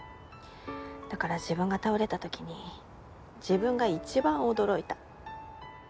だから自分が倒れたときに自分が一番驚いた。